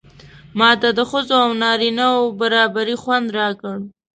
ماته د ښځو او نارینه و برابري خوند راکړ.